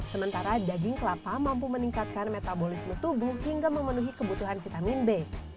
sementara daging kelapa mampu meningkatkan metabolisme tubuh hingga memenuhi kebutuhan vitamin b